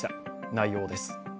内容です。